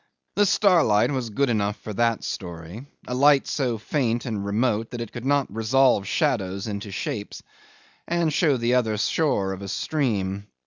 The starlight was good enough for that story, a light so faint and remote that it cannot resolve shadows into shapes, and show the other shore of a stream.